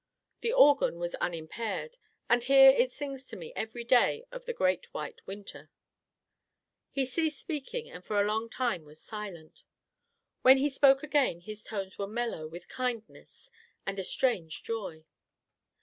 The organ was unimpaired, and here it sings to me every day of the great white winter." He ceased speaking and for a long time was silent. When he spoke again his tones were mellow with kindness and a strange joy.